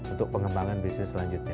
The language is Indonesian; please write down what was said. untuk pengembangan bisnis selanjutnya